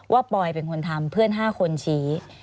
ว่าปอยเป็นคนทำเพื่อนห้าคนชี้